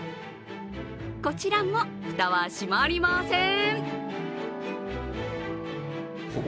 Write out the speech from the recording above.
こちらも、フタは閉まりません。